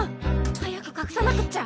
早くかくさなくっちゃ。